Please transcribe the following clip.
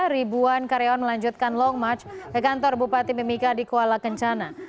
ribuan karyawan melanjutkan long march ke kantor bupati mimika di kuala kencana